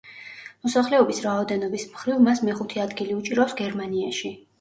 მოსახლეობის რაოდენობის მხრივ მას მეხუთე ადგილი უჭირავს გერმანიაში.